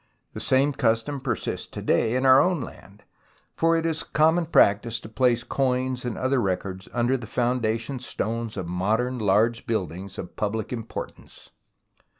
The same custom persists to this day in our own land, for it is a common practice to place coins and other records under the founda tion stones of modern large buildings of public importance.